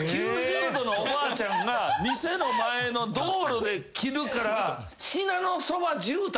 ９０度のおばあちゃんが店の前の道路で切るから。